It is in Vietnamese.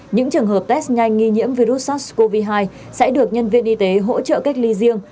những trường hợp test nhanh nghi nhiễm virus sars cov hai sẽ được nhân viên y tế hỗ trợ cách ly riêng